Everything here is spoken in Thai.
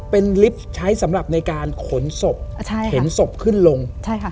เป็นลิฟต์ใช้สำหรับในการขนศพเห็นศพขึ้นลง